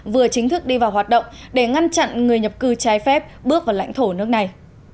vừa chính thức đi vào hoạt động để ngăn chặn người nhập cư trái phép bước vào lãnh thổ nước này